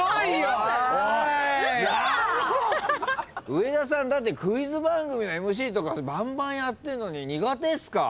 上田さんだってクイズ番組のＭＣとかバンバンやってんのに苦手っすか？